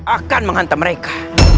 akan menghantam mereka